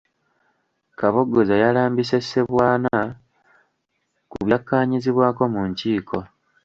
Kaboggoza yalambise Ssebwana ku byakkaanyizibwako mu nkiiko.